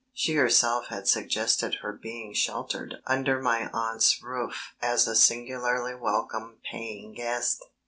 She herself had suggested her being sheltered under my aunt's roof as a singularly welcome "paying guest."